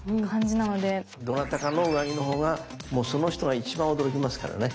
どなたかの上着の方がもうその人が一番驚きますからね。